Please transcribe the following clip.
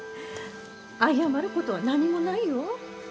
謝ることは何もないよ。